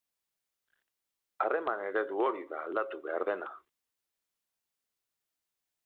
Harreman eredu hori da aldatu behar dena.